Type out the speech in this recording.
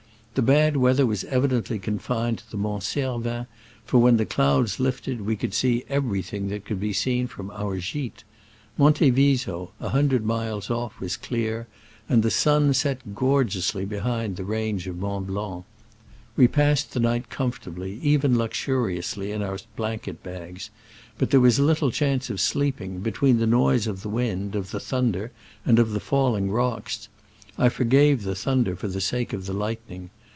The bad weather was evidently confined to the Mont Cervin, for when the clouds lifted we could see everything that could be seen from our gite. Monte Viso, a hundred miles off, was clear, and the sun set gorgeously behind the range of Mont Blanc. We passed the night comfortably, even luxuriously, in our blanket bags, but there was little chance of sleeping, between the noise of the wind, of the thunder and of the falling rocks. I forgave the thunder for the sake of the lightning.